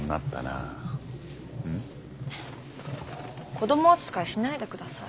子ども扱いしないで下さい。